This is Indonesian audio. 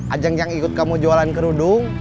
ajang yang ikut kamu jualan kerudung